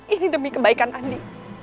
ini demi kebaikan andi